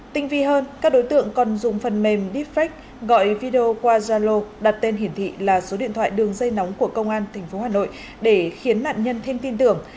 tinh vi hơn các đối tượng còn dùng phần mềm deepfake gọi video qua zalo đặt tên hiển thị là số điện thoại đường dây nóng của công an tp hà nội để khiến nạn nhân thêm tin tưởng